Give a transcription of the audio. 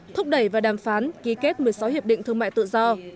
thúc đẩy và đàm phán ký kết một mươi sáu hiệp định thương mại tự do